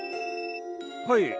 はい。